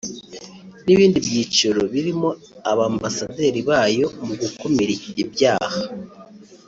n’ibindi byiciro birimo Abambasaderi bayo mu gukumira ibyaha